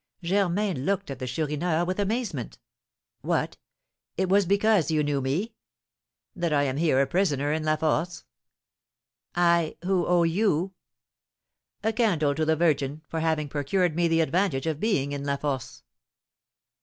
Germain looked at the Chourineur with amazement. "What! It was because you knew me?" "That I am here a prisoner in La Force." "I, who owe you " "A candle to the Virgin, for having procured me the advantage of being in La Force."